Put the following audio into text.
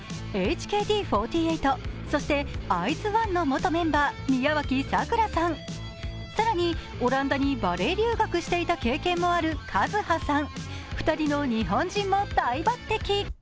ＨＫＴ４８、そしてＩＺ＊ＯＮＥの元メンバー宮脇咲良さん、更にオランダにバレエ留学していた経験のあるカズハさん、２人の日本人も大抜てき。